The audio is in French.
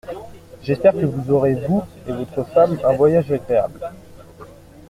J’espère que vous aurez, vous et votre femme, un voyage agréable.